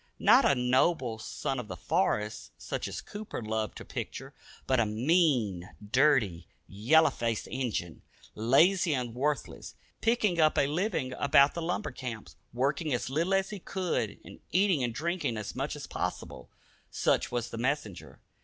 Not a "noble son of the forest," such as Cooper loved to picture, but a mean, dirty, yellow faced "Injun." Lazy and worthless, picking up a living about the lumber camps, working as little as he could, and eating and drinking as much as possible: such was the messenger.